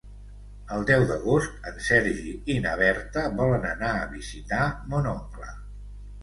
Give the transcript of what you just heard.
El deu d'agost en Sergi i na Berta volen anar a visitar mon oncle.